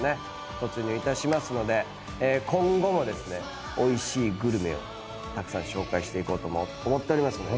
突入いたしますので今後もですねおいしいグルメをたくさん紹介していこうと思っておりますので。